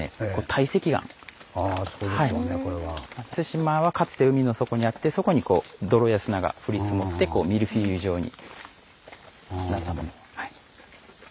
対馬はかつて海の底にあってそこに泥や砂が降り積もってミルフィーユ状になったもの。